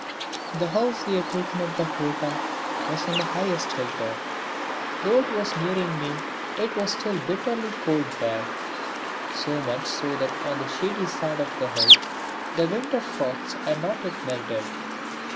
The house we had taken at Bakrota was on the highest hill top. Though it was nearing May it was still bitterly cold there, so much so that on the shady side of the hill the winter frosts had not yet melted.